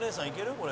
これ。